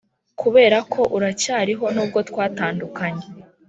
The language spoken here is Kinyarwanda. kuberako uracyariho nubwo twatandukanye.